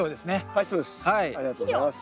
はいそうです。ありがとうございます。